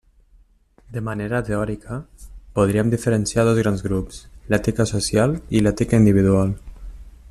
De manera teòrica, podríem diferenciar dos grans grups: l'ètica social i l'ètica individual.